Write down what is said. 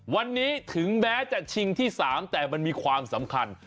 วันนี้ถึงแม้จะชิงที่๓แต่มันมีความสำคัญ